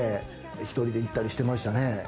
１人で行ったりしてましたね。